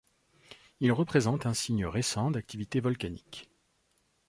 Il représente un signe récent d'activité volcanique.